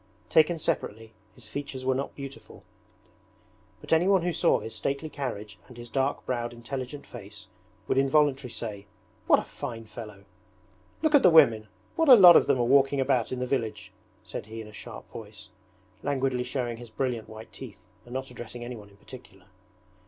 Taken separately his features were not beautiful, but anyone who saw his stately carriage and his dark browed intelligent face would involuntarily say, 'What a fine fellow!' 'Look at the women, what a lot of them are walking about in the village,' said he in a sharp voice, languidly showing his brilliant white teeth and not addressing anyone in particular.